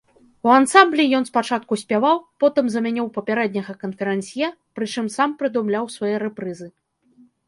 У ансамблі ён спачатку спяваў, потым замяніў папярэдняга канферансье, прычым сам прыдумляў свае рэпрызы.